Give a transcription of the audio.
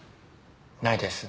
ないです。